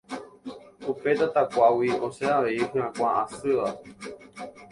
Upe tatakuágui osẽ avei hyakuã asýva